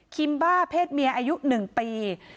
คิมบ้าเพศเมียอายุ๑ปี